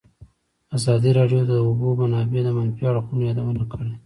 ازادي راډیو د د اوبو منابع د منفي اړخونو یادونه کړې.